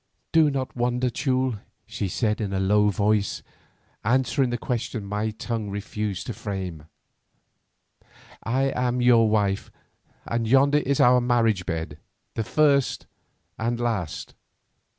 "Do not wonder, Teule," she said in a low voice, answering the question my tongue refused to frame, "I am your wife and yonder is our marriage bed, the first and last.